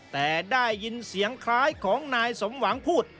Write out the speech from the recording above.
แต่ได้ยินเสียงคล้ายของนายสมหวังพูด